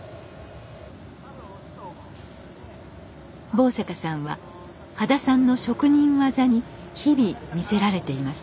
坊坂さんは羽田さんの職人技に日々魅せられています。